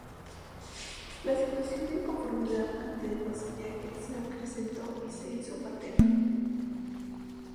La situación de inconformidad ante el vasallaje se acrecentó y se hizo patente.